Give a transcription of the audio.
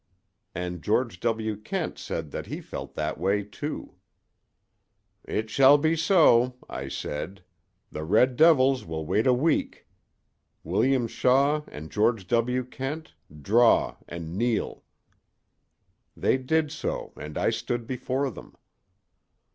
"And George W. Kent said that he felt that way, too. "'It shall be so,' I said: 'the red devils will wait a week. William Shaw and George W. Kent, draw and kneel.' "They did so and I stood before them.